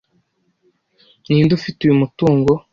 Ninde ufite uyu mutungo?